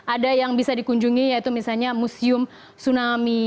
ada yang bisa dikunjungi yaitu misalnya museum tsunami